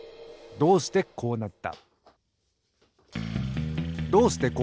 どうしてこうなった？